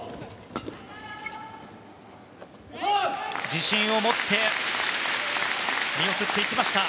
自信を持って見送っていきました。